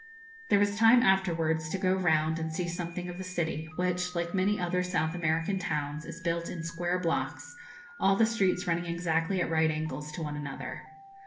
There was time afterwards to go round and see something of the city, which, like many other South American towns, is built in square blocks, all the streets running exactly at right angles one to another.